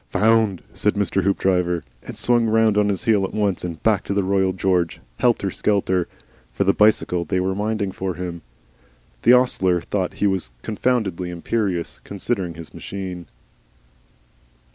"Found!" said Mr. Hoopdriver and swung round on his heel at once, and back to the Royal George, helter skelter, for the bicycle they were minding for him. The ostler thought he was confoundedly imperious, considering his machine.